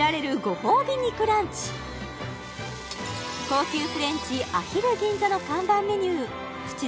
高級フレンチアヒル銀座の看板メニュープチ